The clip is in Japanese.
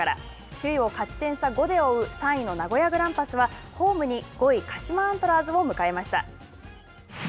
首位を勝ち点差５で追う３位の名古屋グランパスはホームに５位鹿島アントラーズを迎えました。